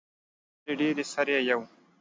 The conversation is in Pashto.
خبرې ډیرې سر ئې یؤ